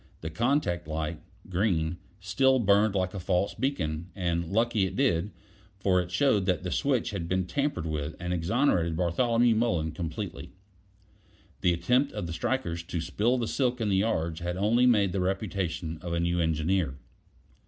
The contact light (green) still burned like a false beacon; and lucky it did, for it showed that the switch had been tampered with and exonerated Bartholomew Mullen completely. The attempt of the strikers to spill the silk in the yards had only made the reputation of a new engineer.